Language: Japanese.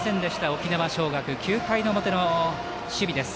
沖縄尚学、９回の表の守備。